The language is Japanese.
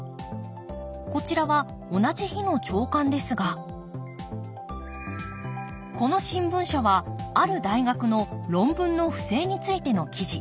こちらは同じ日の朝刊ですがこの新聞社はある大学の論文の不正についての記事。